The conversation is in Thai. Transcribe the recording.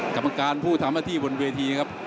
กรรมการผู้ทำหน้าที่บนเวทีครับ